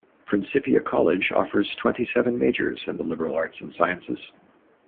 Principia College offers twenty-seven majors in the liberal arts and sciences.